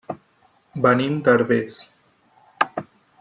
Venim de Herbers.